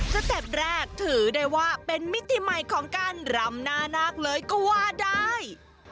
เต็ปแรกถือได้ว่าเป็นมิติใหม่ของการรำหน้านาคเลยก็ว่าได้